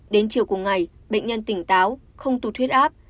đến chiều cùng ngày bệnh nhân tỉnh táo không tù thuyết áp